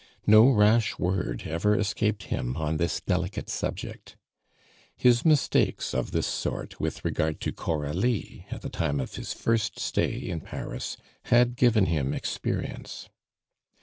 No rash word ever escaped him on this delicate subject. His mistakes of this sort with regard to Coralie, at the time of his first stay in Paris, had given him experience.